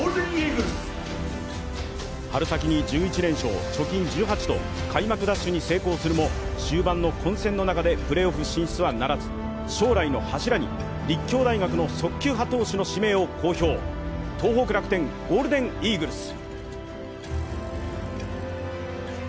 春先に１１連勝、貯金１８と開幕ダッシュに成功するも、終盤の混戦の中でプレーオフ進出はならず将来の柱に、立教大学の速球派投手の指名を公表東北楽天ゴールデンイーグルス。